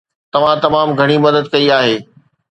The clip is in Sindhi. توهان تمام گهڻي مدد ڪئي آهي